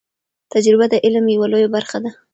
تجربه د علم یو لوی برخه ده.